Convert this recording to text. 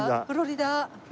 「フロリダ」